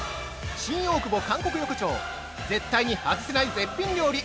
新大久保韓国横丁、絶対に外せない絶品料理